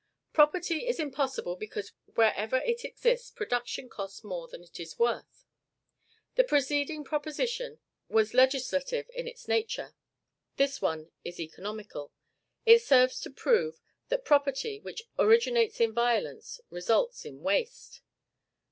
Property is impossible because wherever it exists Production costs more than it is worth. The preceding proposition was legislative in its nature; this one is economical. It serves to prove that property, which originates in violence, results in waste.